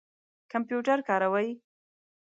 کمپیوټر کاروئ؟